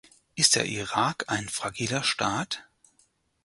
Ist der Irak ein fragiler Staat?